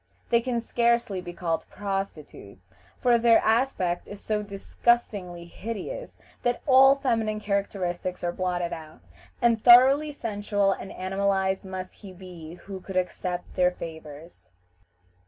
They can scarcely be called prostitutes, for their aspect is so disgustingly hideous that all feminine characteristics are blotted out, and thoroughly sensual and animalized must he be who could accept their favors.